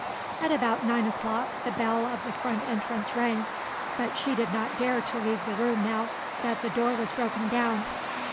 At about nine o'clock the bell of the front entrance rang; but she did not dare to leave the room now that the door was broken down.